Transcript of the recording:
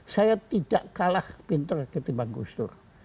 saya tidak kalah pinter ketimbang gusdur